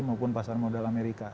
maupun pasar modal amerika